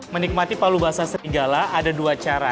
menikmati palu basah serigala ada dua cara